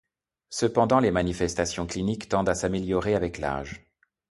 Cependant les manifestations cliniques tendent à s'améliorer avec l'âge.